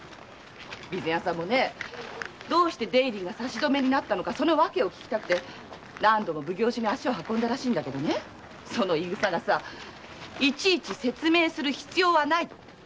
備前屋さんもどうして出入りが差し止めになったのかその訳を訊きたくて何度も奉行所に足を運んだらしいけどその言いぐさが「いちいち説明する必要はない」って。